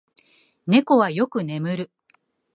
猫はよく眠る。